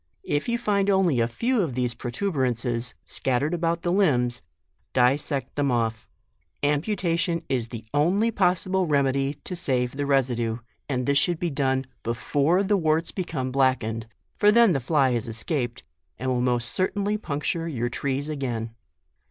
If you tind only a few of these protuberances scat tered about the limbs, dissect them off. Am putation is the only possible remedy to save the residue, and this should be done before the warts become blackened, for then the flv 136 JUNE. has escaped, and will most certainly puncture your trees again.